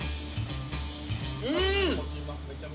うん！